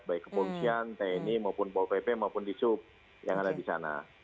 baik kepolisian tni maupun pol pp maupun di sub yang ada di sana